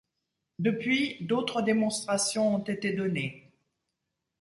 Depuis, d'autres démonstrations ont été données.